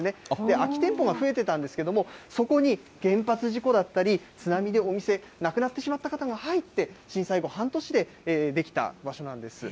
空き店舗が増えてたんですけども、そこに原発事故だったり、津波でお店なくなった人が入って、震災後半年で出来た場所なんです。